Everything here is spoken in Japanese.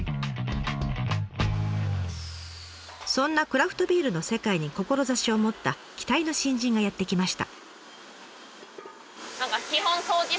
そんなクラフトビールの世界に志を持った期待の新人がやって来ました。